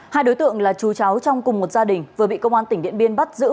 hai đối tượng là chú cháu trong cùng một gia đình vừa bị công an tỉnh điện biên bắt giữ